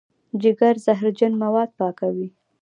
جګر زهرجن مواد پاکوي.